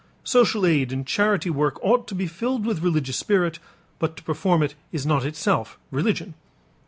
Social aid and charity work ought to be filled with religious spirit, but to perform it is not itself religion.